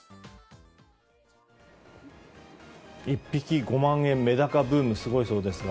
１匹５万円メダカブーム、すごいそうですが